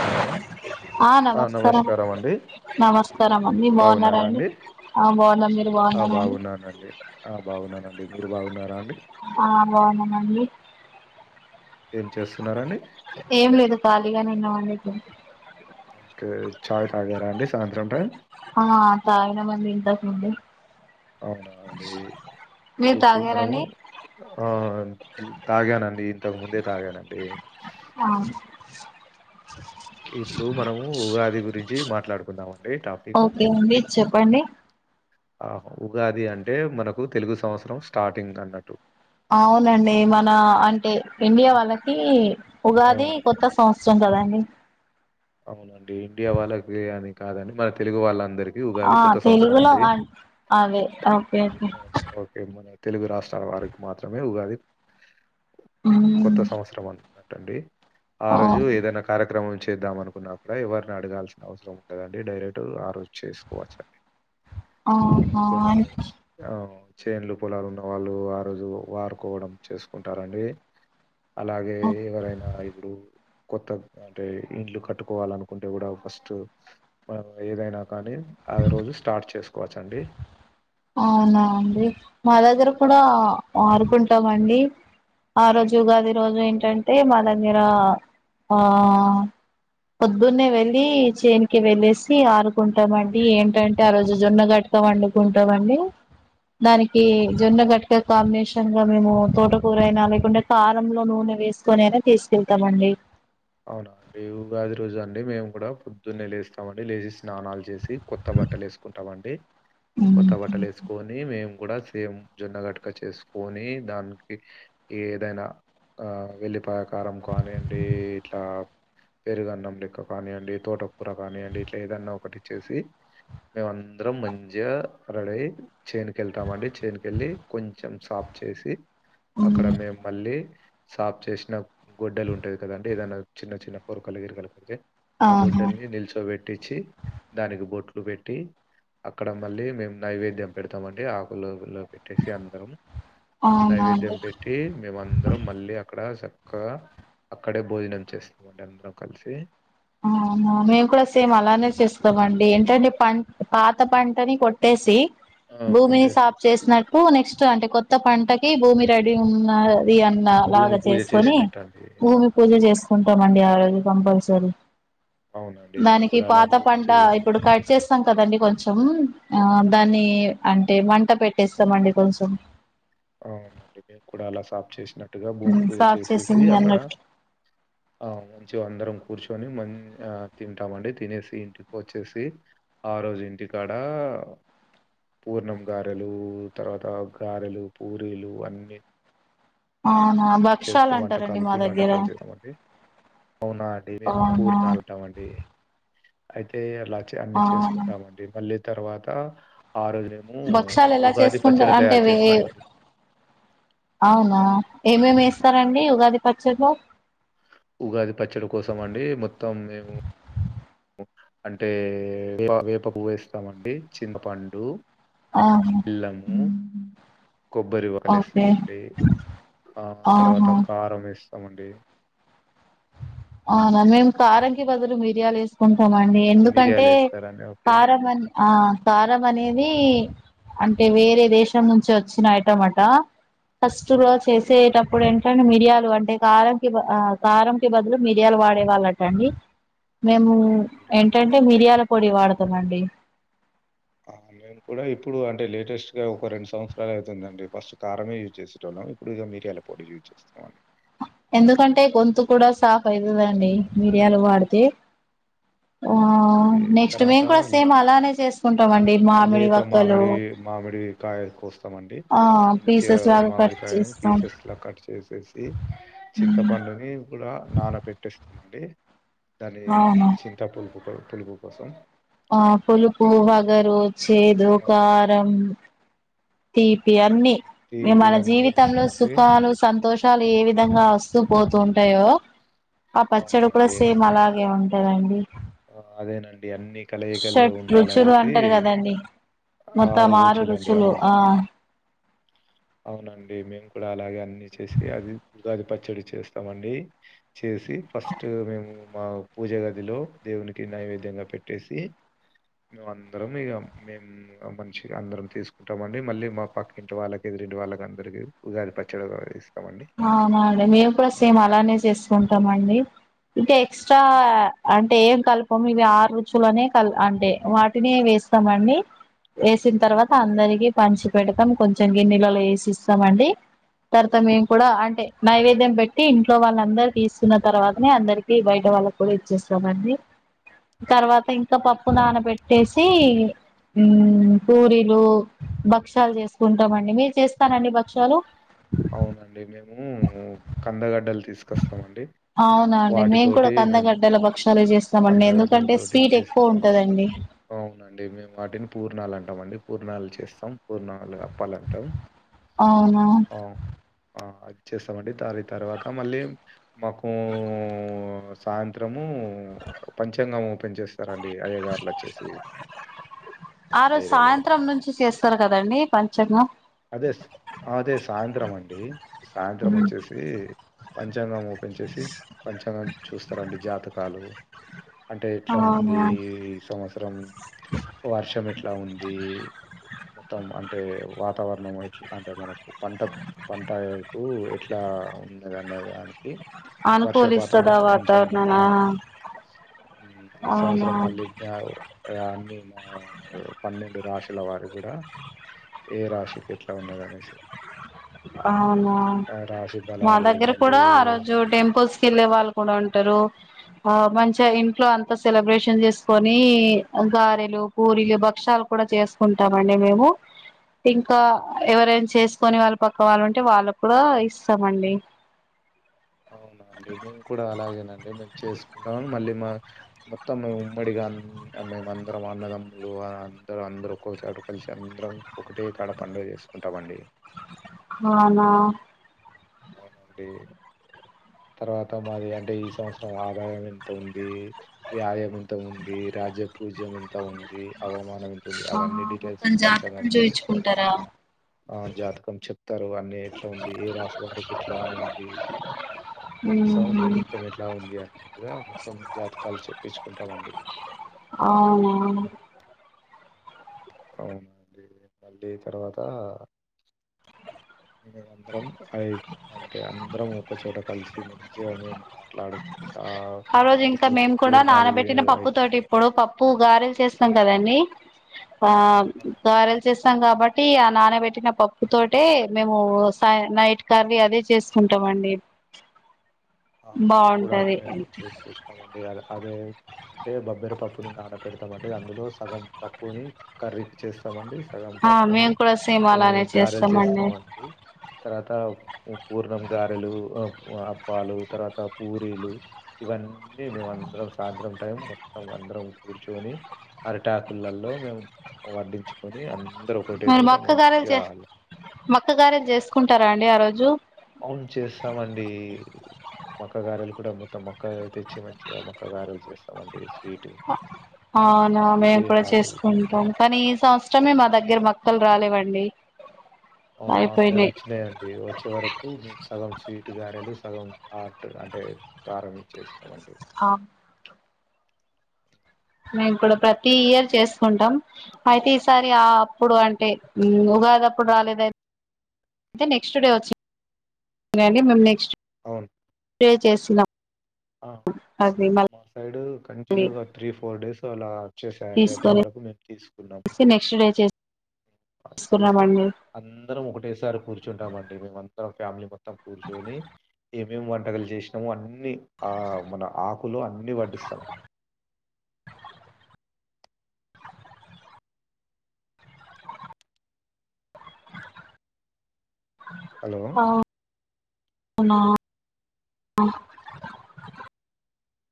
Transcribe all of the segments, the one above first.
Hello ఆ నమస్కారం నమస్కారం అండి బాగున్నారా అండి ఆ బాగున్నా మీరు ఆ బాగున్నారండి బాగున్నానండి ఆ బాగున్నానండి మీరు బాగున్నారా అండి ఆ బాగున్నానండి ఏం చేస్తున్నారండి ఏం లేదు ఖాళీగా నిన్నవడి ఓకే చాగు తాగారా అండి సాయంత్ర టైం ఆ తగినమంది ఇంతక ముందే అవునా అండి మీరు ఇప్పుడు మనము తాగారండి ఆ తాగానండి ఇంతకు ముందే తాగానండి ఆ ఇప్పుడు మనము ఉగాది గురించి మ మాట్లాడుందామ ఓకే అండి చెప్పండి ఆ ఉగాది అంటే మనకు తెలుగు సంవత్సరం స్టార్టింగ్ అన్నట్టు అవునండి మన అంటే ఇండియా అంటే వాళ్ళకి ఆ ఉగాది కొత్త సంవత్సరం కదా ఉ అవునండి ఇండియా వాళ్ళకి అని కాదండి మన తెలుగు వాళ్ళం ఆ తెలుగులో అదే ఓకే ఓకే మన తెలుగు రాష్ట్రాల వారికి మాత్రమే ఉగాది మ్మ్ కొత్త సంవత్సరం అని ట్టండి ఆ రోజు ఏదైనా కార్యక్రమం చేద్దామను కున్నప్పు కూడాడ ఎవరిని అడగాల్సిన అవసరం ఉంటుదండి డైరెక్ట్ ఆ రోజు చేసుకోవచ్చు అండి ఆహ ఆ చేన్లు పొలాలు ఉన్న వాళ్ళు ఆ రోజు వాారుకోవడం చేసుకుంటారండి అలాగే ఎవరైనా ఇప్పుడు కొత్త అంటే ఇండ్లు కట్టు కోవాలనుకుంటే కూడా ఫస్ట్ ఏదైనా కానీ ఆ రోజు స్టార్ట్ చేసుకోవచ్ అండి అవునా అండి మా దగ్గర కూడా ఆరుకుంటామండి ఆ రోజు ఉగాది రోజు ఏంటంటే మా దగ్గర ఆ పొద్దున్నే వెళ్ళి చేన్కి వెళ్ళసి ఆరుకుంటామండి ఏంటంటే ఆ రోజు జొన్న గటక వండుకుం టవండి దానికి జొన్న గట్క కాంబినేషన్ గా మేము తోటకూర అయినా లేకుంటే కారంలో నూనె వేసుకొని అయినా తీసుకెళ్తామండి అవునా అండి ఉగాది రోజు అండి మేము కూడా పొద్దున్నే లేస్తామండి లేచి స్నాలు చేసి కొత్త బట్టలు వేసుకుంటాండి కొత్త బట్టలు ఉహు వేసుకొని మేం కూడా సేమ్ జొన్న గట్క చేసుకొని దానికి ఏదైనా వెల్లి ప్రకారం కానివండి ఇట్లా పెరుగన్నం లేక్క కానివ్వండి తోటకూర కానివ్వండి ఇట్లా ఏదన్నా ఒకటి చేసి మేము అందరం మంచిగా రడై చేన్కి వెళ్తామండి చేన్కిెళ్ళి కొంచెం సాఫ్ చేసి అక్కడ మేము మళ్ళీ సాఫ్ చేసిన గొడ్డలీ ఉంటది కద ఏదైనా చిన్న చిన్న పూరుకలు ఎరగలిపితే ఆ అవునా గుడ్డల్ని నిల్చబెట్ పట్టించి దానికి బొట్లు పెట్టి అక్కడ మళ్ళీ మేము నైవేద్యం పెడతాంండి ఆకులొ కులో పెట్టేసి అందరం అవునా నైవేద్యం అండి పెట్టి మేమ అందరం మళ్ళీ అక్కడ స కదా అప్ అక్కడే భోజనం చేస్తామండి అందరం కలిసి అవునా మేము కూడా సేమ్ అలానే చేస్తామ అండి ఏంటంటే పంట పాత పంటని కొట్టేసి ఆ భూమిని కొట్టేసి సాఫ చేసినట్డు నెక్స్ట్ అంటే కొత్త త్త పంటకి భూమి రెడీ ఉన్నారు ఇ అన్న భూమి లాగా పూజ చేసుకుని చేసినట్టు అండి భూమి పూజ చేసుకుంటామండి ఆ రోజు కంపల్సరి అవునండి మేము దానికి కూడా అలా పాత భూమి పంట చే ఇప్పుడు కట్ చేస్తాం కదండి కొంచెం ఆ దాన్ని అం అంటే మంట పెట్టేస్తామండి కొంచెం అవునండి మేము కూడా అలా సాఫ్ చేసినట్టు గా భూమి పూజ సాఫ్ చేసేసి చేసింది అక్కడ అన్నట్టు ఆ మంచి అందరం కూర్చొని మ తింటామండి తినేసి ఇంటికి వచ్చేసి ఆ రోజు ఇంటికాడ పూర్ణం గారెలు తర్వాత గారెలు పూరీలు అన్నీ అవునా చేసుకో భక్షాలు వంట అంటారండి మా కలిపి వంట దగ్గర కలు చేేద్దామండి అవునా అండి మేము అవునా పూరిని కల్తామండి అయితే అలా అన్ని అవునా చేసుకుంటామ అండి మళ్ళీ తర్వాత ఆ రోజేమో భక్షాలు ఎలా ఉగాది చేసుకుంటా పచ్చడి అంటే తయారు చేస్తామండి. హ్మ్. అవునా ఏమేమి ఎస్ ఏం వేస్తారండి ఉగాది పచ్చడీలో ఉగాది పచ్చడి కోసం అండి మొత్తం మేము అంటే వే వేప పువేస్తామండి చింతపండు ఆహా బెల్లము మ్మ్. కొబ్బరి వాలు ఓకే వస్తామండి ఆ తర్వాత ఆహా కారం వేస్ తమండి అవునా మేం కారకిి బదులు మిరియాలు వేసుకుం టమండి ఎందుకంటే మిరియాలు వేస్తారండి ఓకే కారం అని ఆ కారం అనేది అంటే వేరే దేశం నుంచి వచ్చిన ఐటమట ఫస్తులు ఉమ్, చేసేటప్పుడం రొండు మిరియాలు అంటే కాల కి బ కారం క బదులు మిరియాలు వాడే వాళ్ళట అండి మేము అవునండి ఏంటంటే మిరియాల పొడి వాడుతమండి మేము కూడా ఇప్పుడు అంటే లేటెస్ట్గా ఒక రెండు సంవత్సరాలు అవుతుందండి ఫస్ట్ కారమే యూజ్ చేసేట ఉన్నాం ఇప్పుడు ఇక మీరియల పొడి యూజ్ చేస్తామని ఎందుకంటే గొంతు కూడా సాఫవుతుందండి అవును, మీరియాలు వాడితే ఆ అవునండి నెక్స్ట్ తర్వాత మేము కూడా సేమ్ అలానే చేసుకుంటామండి మామిడి లేత వక్కలు మామిడి మామిడి కాయ కోస్తామండి ఆ మంచిగా పీసెస్ లాగా కట్ మామిడికాయ చేస్తాం పీసెస్ లా కట్ చేసేసి చింతపండుని కూడా నాన పెట్టేస్తామండి దాని అవును చింతపుల్ పు పులుపు కోసం ఆ పులుపు వగరు చేదు ఆ, కారం తీపి అన్నీ తీపి మన అన్ని జీవితంలో ఇస్తామండి సుఖాలు సంతోషాలు ఏ విధంగా వస్ తు పోతూ ఉంటాయో ఆ పచ్చడి కూడా అవునండి సేమ్ అలాగే ఉన్ టదండి అదేనండి అన్ని కలయికలు షట్ రుచులు ఉండాలనేసి అంటారు కదండి మొత్తం ఆరు రుచులండి రుచులు అవును ఆ అవునండి మేము కూడా అలాగే అన్ని చేసి అది ఉగాది పచ్చడి చేస్తామండి చేసి ఫస్ట్ మేము మా పూజ గదిలో దేవునికి నైవేద్యంగా పెట్టేసి మేము అందరం ఇక మేమ్ మంచిగ అందరం తీసుకుంటామ అండి మళ్ళీ మా పక్కింటి వాళ్ళకి ఎదిరింటి వాళ్ళ అందరికి ఉగాది పచ్చడి ఇస్ అవునా అండి మేము కూడా సేమ్ అలానే చేసుకుంటామండి ఇంకా ఎక్స్ట్రా అంటే ఏం కల్పం ఇవి ఆరు రుచులనే కల్ అంటే వాటిని వేస్తామండి ఏసిన తర్వాత అవును అందరికి పంచు పెడతాం కొంచెం గిన్నెలలో ఏసి ఇస్తామండి తర్త మేము కూడా అంటే నైవేద్యం పెట్టి ఇంట్లో వాళ్ళ అందరు తీసుకున్న తర్వాతనే అందరికి బయట వాళ్ళ కూడా ఇచ్చేస్తామండి తర్వాత ఇంకా మళ్ళీ పప్పు నానబట్ చేసి మ్మ్ పూరీలు భక్ష్యాలు చేసుకుంటామండి మీరు చేస్తారా అండి భక్ష్యాలు అవునండి మేమ్ ము కందగడ్డలు తీసుకొస్తామండి అవునండి మేము కూడా వాటితోటి మేము కందగడ్డల భక్షాలు చేస్తామండి కందగడ్డల ఎందుకంటే తోటి స్వీట్ ఎక్కువ చేసేస్తామండి ఉంటదండి అవునండి మేము వాటిని పూర్ణాలు అన్ కొంతమంది పూర్ణాలు చేస్తాం పూర్ణాలు పళ్ళ అంటం అవును అ ఆహా చేస్తామండి దాని తర్వాత మళ్ళీ మాకు సాయంత్రము పంచాంగం ఓపన్ చేస్ ఆ మా రోజు ఏరియాలలో సాయంత్రం నుంచి చేస్తారు కదండి పంచా అదే అదే సాయంత్రం అండి సాయంత్రం వచ్చేసి పంచాంగం ఓపెన్ చేసి పంచాంగం చూస్తారండి జాతకాలు అంటే ఎట్లా ఉంది అవునా సంవత్సరం వర్షం ఎట్లా ఉంది మొత్తం అన్ అంటె వ వాతావరణం ఎట్లా అంటే మనకు పంట పంటకు ఎట్ల ఎట్లా ఉన్నది అనే దానికి వర్షపాతం అనుకూలిస్తదా ఎట్ల ఎంత ఉంది ఆ వాతావరణానా మ్ ఈ అవునా సంవత్సరం మళ్ళీ జ ఇగ అన్ని నా పన్నెండు రాశుల వారు కూడా ఏ రాశి ఎట్ల ఉన్నది అనేసి అవునా ఆ రాశి మా బలాలు దగ్గర మళ్ళీ కూడా ఆ రోజు టెంపుల్స్ కి వెళ్ళే వాళ్ళు కూడా ఉంటారు ఆ మంచిగా ఇంట్లో అంతా సెలబ్రేషన్ చేసుకొని గారెలు పూరీలు భక్ష్యాలు కూడా చేసుకుంటామండి మేము ఇంకా ఎవరైనా చేసుకొని వాళ్ పక్క వాళ్ళు ఉంటే వాళ్ళకూడా ఇస్తామండి అవునా ఆండి మేము కూడా అలాగేనండి మేము చేసుకుంటాము మళ్ళీ మా మొత్తం మే ఉమ్మడిగా మేమ అందరం అన్నదమ్ములు అందరం అందరు ఒక్కొచోట కలిసి అందరం ఒకటే కాడ పండుగ చేసుకుంటామండి అవునా అవునండి తర్వాత మాది అంటే ఈ సంవత్సరం ఆదాయం ఎంత ఉంది వ్యాయాం ఎంత ఉంది రాజ్య పూజ్యం ఎంత ఉంది అవమానం ఎంత ఉంది ఆ అవన్నీ డీటెయిల్స్ మొత్తం జాతకం పంచాంగంలో చెప్తారు చూయించుకుంటారా ఆ జాతకం చెప్తారు అన్ని ఎట్లా ఉంది ఏ రాశి వారికి ఎట్లా ఉంది ఈ ఉహు సంవత్సరం మొత్తం ఎట్లా ఉంది అన్నట్టుగా మొత్తం జాతకాలు చెప్పించుకుంటామండి అవునా అవునా అండి మళ్ళీ తర్వాత మేమందరం అ అంటే అందరం ఒకచోట కలిసి మంచిగా మేము మాట్లాడుకొ ఆ రోజు ఇంకా మేము కూడా నానబెట్టిన పప్పు తోటి ఇప్పుడు పప్పు గారేలు చేస్తాం కదండి ఆ అయి గారెలు చేస్ తం కాబట్టి ఆ నానబెట్టిన పప్పు తోటే మేము స-నైట్ కర్రి అదే చేసుకుంటాం అండి ఆ మేము కూడా అట్లనే చేసి ఇస్తాంమండి అలా అదే అంటే బబ్బెర పప్పుని నాన పెడతామండి అందులో సగం పప్పుని కర్రీకి చేస్తామండి సగం ఆ పప్పుని మేము కూడా సేమ్ ఈ అలానే గారెలు చేస్తామండి తర్వాత పూర్ణం గారెలు ఆ ఉ అప్పాలు తర్వాత పూరీలు ఇవన్నీ మేమందరం సాయంత్రం టైం మొత్తం అందరం కూర్చొని అరిటాకులల్లో మేము వడ్డించుకొని అం అందరు ఒకటే చోట మంచిగా హాలో మక్కగారే చేసుకుంటారా అండి ఆ రోజు అవును చేస్తామండి మక్ మక్క గారెలు కూడా అమ్ముతాము మక్క తెచ్చి మంచిగా మక్క గారెలు చేస్ అమంటీస్ అవునా మేము కూడా హాట్ చేసుకుంటాం, కానీ ఈ సంవత్సరమే మా దగ్గర మొక్కలు రాలేవండి ఆ మా సైడ్ అయిపోయినాయి వచ్చినాయండి వచ్చే వరకు మేము సగం స్వీట్ గారెలు సగం హాట్ అంటే కారం ఇచ్చేసినవంటి అ మేము కూడా ప్రతి ఇయర్ చేసుకుంటాం అయితే, ఈసారి అప్పుడు అంటే ఉగాది అప్పుడు రాలేదు అయితే అయి తే నెక్స్ట్ డే వచ్చి గానీ మేం నెక్స్ట్ అవున్ [inaudible] చేసినం ఆ మాసైడు మళ్ళీ కంటిన్యూగా త్రీ ఫోర్ డేస్ అల్ రాద్ వచ్చేసాయండి వచ్చే వరకు మే తీస్ ష్ నెక్స్ట్ డే చేస్ [inaudible] అందరం ఒకటేసారి కూర్చుంటామండి మేము మొత్తం ఫ్యామిలీ మో తం కూర్చొని ఏమేమి వంటకాలు చేసినామో అన్ అన్ని ఆ మన ఆకులో అన్ని వడ్డిస్తాం హలో అవునా ఆ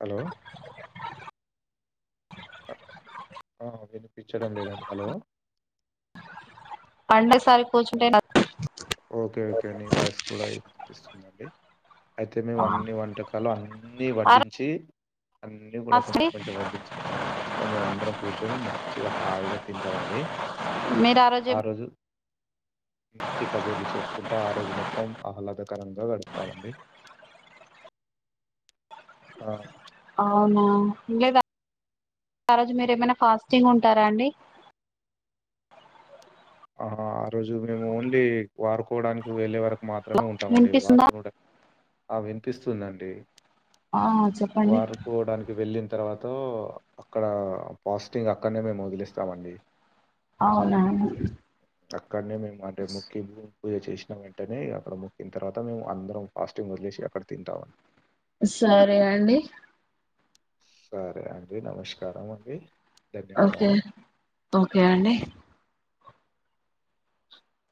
హలో ఆ వినిపించడం లేదండి హలో పండే సారి కూచుంటే అద్ ఓకే ఓకే నీ వాయిస్ కూడానిపిస్తుందండి. అయితే మేము అన్ని వంటకాలు అన్నీ వడ్డించి అన్నీ కూడా ఫాస్ట్ కొంచెం కొంచెం వడ్డించి అంతా మేము అందరం కూర్చొని మంచిగా హాయిగా తింటామండి ఆ రోజు [inaudible] కబుర్లు చెప్పుకుంటూ ఆ రోజు మొత్తం ఆహ్లాదకరంగా గడుపుతామండి ఆ అవునా ఇంకేం స ఆ రోజు మీరు ఏమన్నా ఫాస్ టింగ్ ఉంటారా అండి ఆ ఆ రోజు మేము ఓన్లీ వాడుకోవడానికి వెళ్ళే వరకు మాత్రమే ఉంటామండి వా వినిపిస్తుందా [inaudible] ఆ వినిపిస్తుందండి ఆ చెప్పండి వారుకోవడానికి వెళ్ళిన తర్వాత అక్కడ ఫాస్టింగ్ అక్కడనే మేము వదిలేస్తామండి అవునాని ట [unintelligible] పూజ చేసిన వెంటనే అక్కడ మొక్కిన తర్వాత మేము అందరం ఫాస్టింగ్ వదిలేసి అక్కడ తింటాము సరే అండి సరే అండి నమస్కారం అండి ఓకే ధన్యవాదాలు. ఓకే అండి [unintelligible]